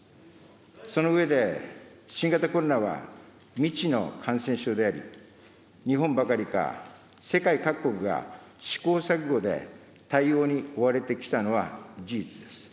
その上で、新型コロナは未知の感染症であり、日本ばかりか世界各国が試行錯誤で対応に追われてきたのは事実です。